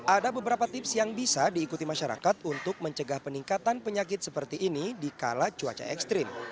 ada beberapa tips yang bisa diikuti masyarakat untuk mencegah peningkatan penyakit seperti ini di kala cuaca ekstrim